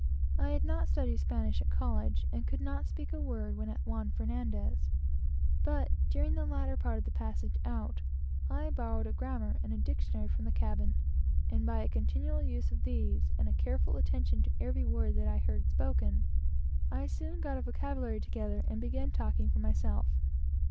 I had never studied Spanish while at college, and could not speak a word, when at Juan Fernandez; but during the latter part of the passage out, I borrowed a grammar and dictionary from the cabin, and by a continual use of these, and a careful attention to every word that I heard spoken, I soon got a vocabulary together, and began talking for myself.